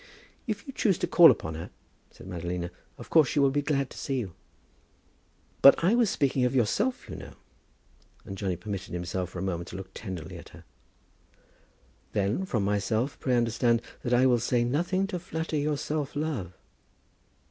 "If you choose to call upon her," said Madalina, "of course she will be glad to see you." "But I was speaking of yourself, you know?" and Johnny permitted himself for a moment to look tenderly at her. "Then from myself pray understand that I will say nothing to flatter your self love."